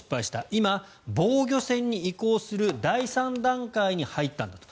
今、防御戦に移行する第３段階に入ったんだと。